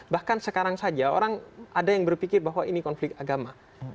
bahkan sekarang saja orang ada yang berpikir bahwa ini konflik agama